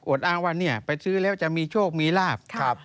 อวดอ้างว่าไปซื้อแล้วจะมีโชคมีลาภ